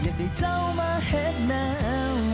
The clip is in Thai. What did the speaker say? การไม่ช่องรอบน้าคนดี